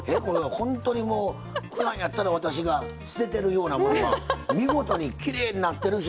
ほんとにもうふだんやったら私が捨ててるようなものが見事にきれいになってるし。